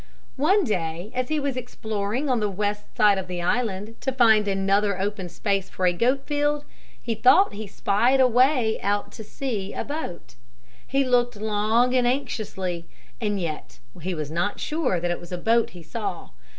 One day as he was exploring on the west side of the island to find another open space for a goat field, he thought he spied away out to sea a boat. He looked long and anxiously and yet he was not sure that it was a boat he saw.